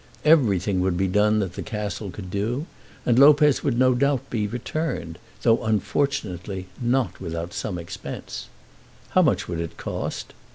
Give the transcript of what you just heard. Everything would be done that the Castle could do, and Lopez would be no doubt returned, though, unfortunately, not without some expense. How much would it cost?